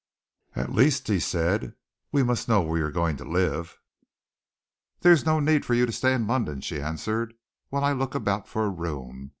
"At least," he said, "we must know where you are going to live." "There is no need for you to stay in London," she answered, "while I look about for a room.